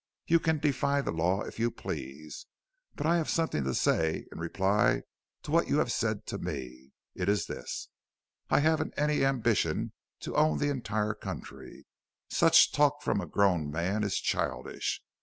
You can defy the law if you please. But I have something to say in reply to what you have said to me. It is this: I haven't any ambition to own the entire country such talk from a grown man is childish.